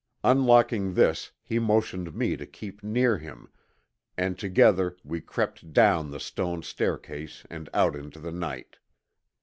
Unlocking this he motioned me to keep near him, and together we crept down the stone staircase and out into the night.